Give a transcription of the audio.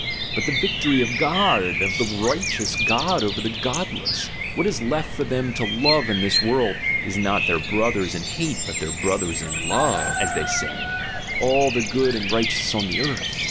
but the victory of God, of the righteous God over the 'godless'; what is left for them to love in this world is not their brothers in hate, but their 'brothers in love,' as they say, all the good and righteous on the earth."